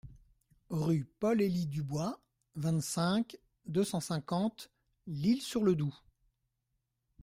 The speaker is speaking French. Rue Paul Elie Dubois, vingt-cinq, deux cent cinquante L'Isle-sur-le-Doubs